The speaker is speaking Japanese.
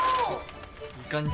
いい感じ。